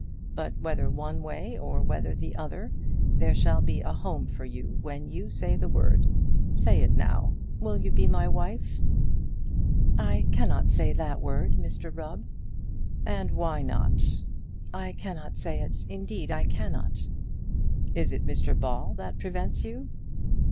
But whether one way or whether the other, there shall be a home for you when you say the word. Say it now. Will you be my wife?" "I cannot say that word, Mr Rubb." "And why not?" "I cannot say it; indeed, I cannot." "Is it Mr Ball that prevents you?"